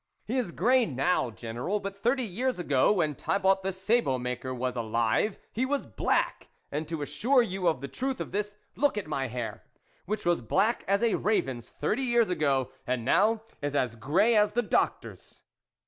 " He is grey now, General ; but thirty years ago, when Thibault the sabot maker was alive, he was black ; and, to assure you of the truth of this, look at my hair, which was black as a raven's thirty years ago, and now is as grey as the Doc tor's."